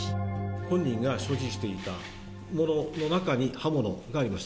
本人が所持していたものの中に刃物がありました。